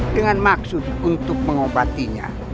dengan maksud untuk mengobatinya